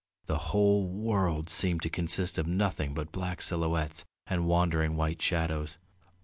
The whole world seemed to consist of nothing but black silhouettes and wandering white shadows.